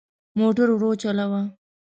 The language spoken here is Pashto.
موټر ورو چلوه.